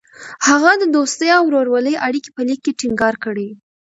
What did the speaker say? هغه د دوستۍ او ورورولۍ اړیکې په لیک کې ټینګار کړې.